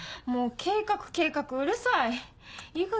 もう「計画計画」うるさい！